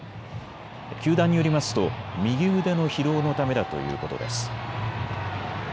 球団によりますと右腕の疲労のためだということです。